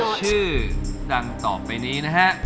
ชื่อดังต่อไปนี้นะฮะ